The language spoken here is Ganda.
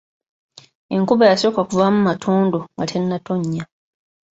Enkuba y’asooka kuvaamu matondo nga tennatonnya.